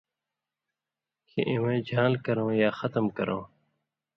کھیں اِوَیں ژھان٘ل کرؤں یا ختُم کرؤں،